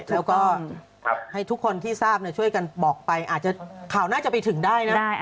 แล้วก็ให้ทุกคนที่ทราบช่วยกันบอกไปอาจจะข่าวน่าจะไปถึงได้นะ